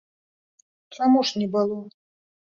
Чаму ж не было?